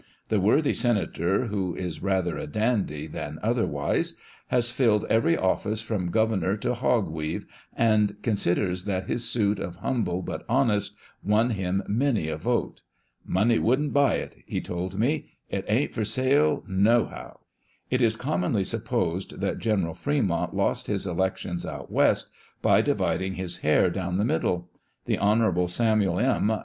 The worthy senator (who is rather a dandy than other wise) has filled every oifice from governor to " Hog reave," and considers that his suit of Humble but Honest won him many a vote. " Money would'nt buy it," he told me ;" it ain't for sale now how." It is commonly supposed that General Fre mont lost his election out West by dividing his hair down the middle. The Honourable Samuel M.